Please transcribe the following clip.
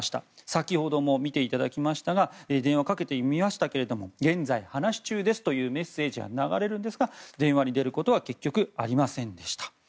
先ほども見ていただきましたが電話をかけてみましたけれども現在話し中ですというメッセージが流れるんですが電話に出ることは結局、ありませんでした。